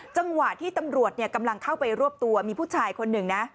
จังหวะที่ตำรวจกำลังเข้าไปรวบตัวมีผู้ชายคนหนึ่งนะ